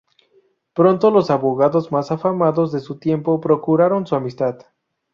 Pronto los abogados más afamados de su tiempo procuraron su amistad.